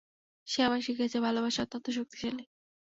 সে আমায় শিখিয়েছে, ভালোবাসা অত্যন্ত শক্তিশালী।